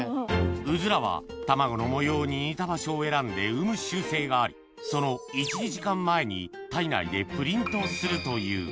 うずらは卵の模様に似た場所を選んで産む習性がありその１２時間前に体内でプリントするという